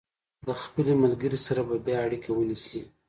له خپلې ملګرې سره به بیا اړیکه ونیسي.